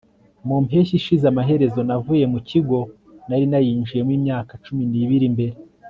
mu mpeshyi ishize, amaherezo navuye mu kigo nari narinjiyemo imyaka cumi n'ibiri mbere